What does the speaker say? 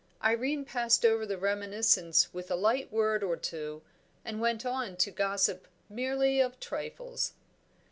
Irene passed over the reminiscence with a light word or two, and went on to gossip merely of trifles.